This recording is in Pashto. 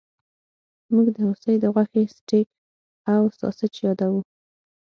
موږ د هوسۍ د غوښې سټیک او ساسج یادوو